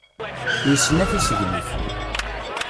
Yesna tisegnit